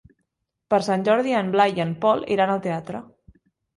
Per Sant Jordi en Blai i en Pol iran al teatre.